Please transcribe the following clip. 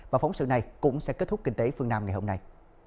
và phóng sự này cũng sẽ kết thúc kinh tế phương nam ngày hôm nay